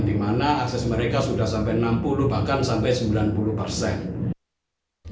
di mana akses mereka sudah sampai enam puluh bahkan sampai sembilan puluh persen